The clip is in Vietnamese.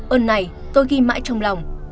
ơn này tôi ghi mãi trong lòng